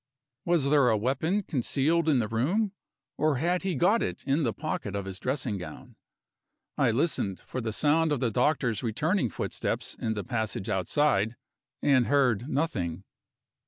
Was there a weapon concealed in the room? or had he got it in the pocket of his dressing gown? I listened for the sound of the doctor's returning footsteps in the passage outside, and heard nothing.